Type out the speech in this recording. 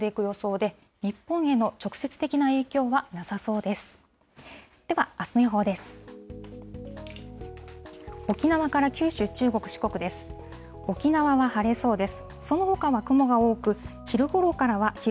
ではあすの予報です。